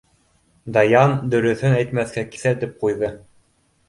Даян дөрөҫөн әйтмәҫкә киҫәтеп ҡуйҙы.